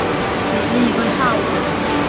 已经一个下午了